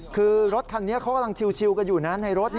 คือรถคันนี้เขากำลังชิวกันอยู่นะในรถ